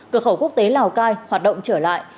cửa khẩu quốc tế lào cai hoạt động trở lại